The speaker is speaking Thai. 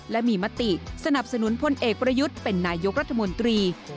และมีมติสนับสนุนพลเอกประยุทธ์เป็นนายกรัฐมนตรี